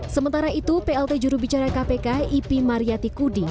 sementara itu plt jurubicara kpk ipi mariatikudi